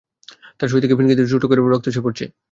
তাঁর শরীর থেকে ফিনকি দিয়ে ছোটা গরম রক্ত এসে লাগল কাদিমের মুখে।